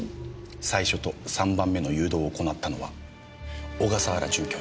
最初と３番目の誘導を行ったのは小笠原准教授です。